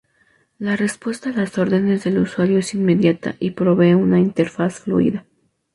La respuesta a las órdenes del usuario es inmediata y provee una interfaz fluida.